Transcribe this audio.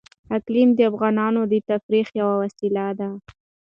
اقلیم د افغانانو د تفریح یوه وسیله ده.